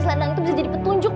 saya masih masih